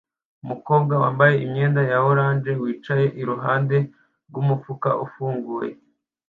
umukobwa wambaye imyenda ya orange wicaye iruhande rwumufuka ufunguye